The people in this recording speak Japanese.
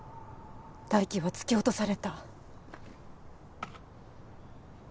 泰生は突き落とされた。